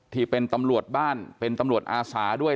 ที่เป็นตำรวจบ้านเป็นตำรวจอาสาด้วย